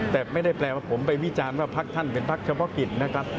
แต่ไม่ได้แปลว่าผมไปวิจารณ์ว่าพักท่านเป็นพักเฉพาะกิจนะครับ